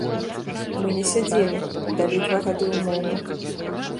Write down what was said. Мы не сядзелі, далі два гады ўмоўна.